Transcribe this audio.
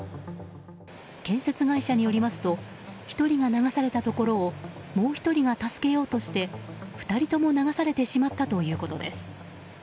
建設会社によりますと１人が流されたところをもう１人が助けようとして２人とも流されてしまったということです。